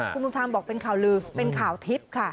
คุณบุญธรรมบอกเป็นข่าวลือเป็นข่าวทิพย์ค่ะ